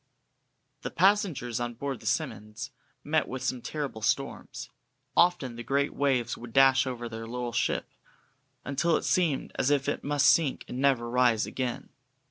The passengers on board the "Simmonds" met with some terrible storms; often the great waves would dash over their little ship, until it seemed as if it must sink and never rise again.